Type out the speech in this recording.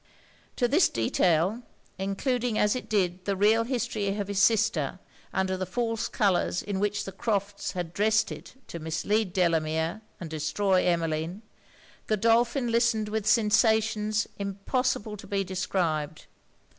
To this detail, including as it did the real history of his sister under the false colours in which the Crofts' had drest it to mislead Delamere and destroy Emmeline, Godolphin listened with sensations impossible to be described.